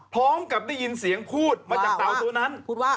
พร้อมกับได้ยินเสียงพูดมาจากเต่าตัวนั้น